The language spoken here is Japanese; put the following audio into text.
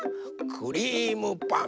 クリームパン